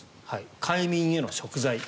快眠への食材。